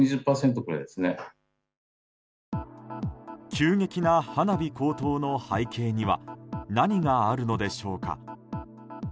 急激な花火高騰の背景には何があるのでしょうか。